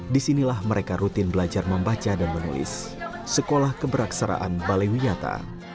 disinilah mereka rutin belajar membaca dan menulis sekolah keberaksaraan balaiwinata